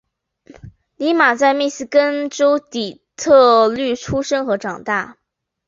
俪玛在密西根州底特律出生和长大。